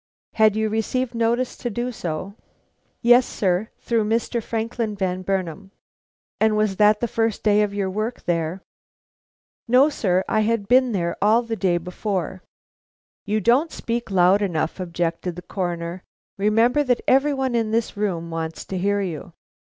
"Had you received notice to do so?" "Yes, sir, through Mr. Franklin Van Burnam." "And was that the first day of your work there?" "No, sir; I had been there all the day before." "You don't speak loud enough," objected the Coroner; "remember that every one in this room wants to hear you."